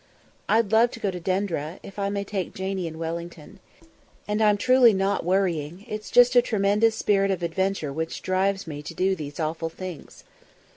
"I'd love to go to Denderah, if I may take Janie and Wellington. And I'm truly not worrying; it's just a tremendous spirit of adventure which drives me to do these awful things."